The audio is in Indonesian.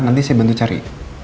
nanti saya bantu cari